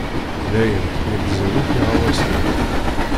Dayen, nnegzan akk iɣawasen-iw.